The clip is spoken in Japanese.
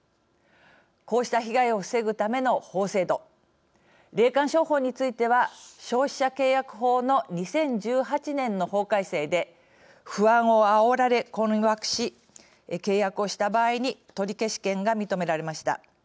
こうした被害を防ぐための法制度霊感商法については消費者契約法の２０１８年の法改正で不安をあおられ困惑し契約をした場合に取消権が認められました。